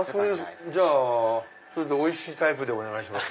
じゃあおいしいタイプでお願いします。